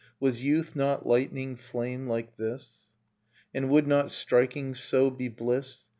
Was youth not lightning flame like this? ... And would not striking so be bliss? .